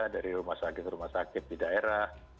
dari rumah sakit rumah sakit di daerah